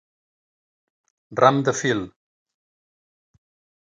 Ram de fil.